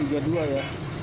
udah tiga puluh dua ya